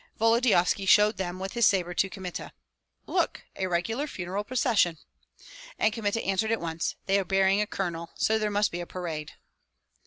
Volodyovski showed them with his sabre to Kmita. "Look, a regular funeral procession!" And Kmita answered at once: "They are burying a colonel, so there must be parade."